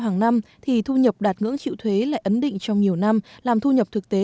hàng năm thì thu nhập đạt ngưỡng chịu thuế lại ấn định trong nhiều năm làm thu nhập thực tế